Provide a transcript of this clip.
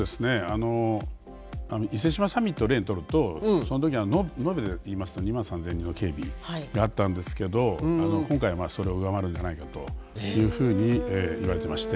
あの伊勢志摩サミットを例に取るとその時は延べで言いますと２万３，０００人の警備があったんですけど今回はそれを上回るんじゃないかというふうに言われてまして。